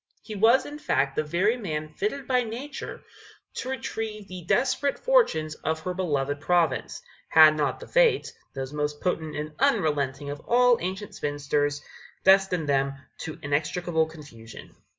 He was in fact the very man fitted by nature to retrieve the desperate fortunes of her beloved province, had not the Fates, those most potent and unrelenting of all ancient spinsters, destined them to inextricable confusion.